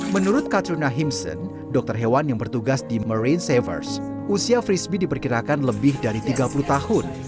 menurut katrina himson dokter hewan yang bertugas di marine savers usia frisbee diperkirakan lebih dari tiga puluh tahun